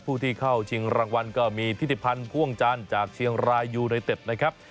ผู้ที่เข้าชิงรางวัลก็มีทิศิพันธ์พ่วงจันทร์จากเชียงรายยูไนเต็ดนะครับ